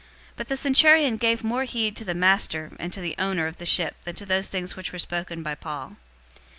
027:011 But the centurion gave more heed to the master and to the owner of the ship than to those things which were spoken by Paul.